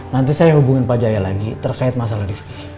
nanti saya hubungi pak jaya lagi terkait masalah rifki